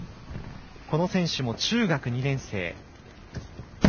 この選手も中学２年生。